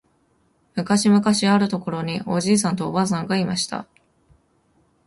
むかしむかしあるところにおじいさんとおばあさんがいました。